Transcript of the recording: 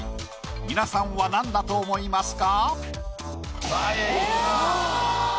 皆さんは何だと思いますか？